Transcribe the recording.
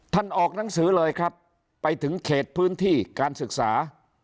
ออกหนังสือเลยครับไปถึงเขตพื้นที่การศึกษา